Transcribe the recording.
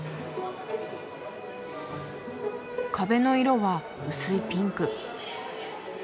壁の色は薄いピンク。